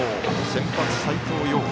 先発、斎藤蓉。